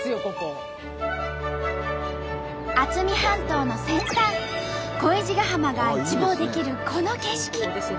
渥美半島の先端恋路ヶ浜が一望できるこの景色。